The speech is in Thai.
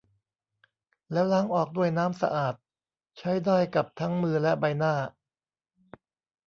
แล้วล้างออกด้วยน้ำสะอาด ใช้ได้กับทั้งมือและใบหน้า